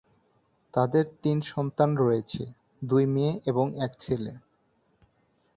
তাদের তিন সন্তান রয়েছে: দুই মেয়ে এবং এক ছেলে।